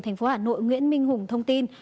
thành phố hà nội nguyễn minh hùng thông tin